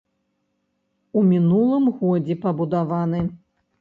У мінулым годзе пабудаваны.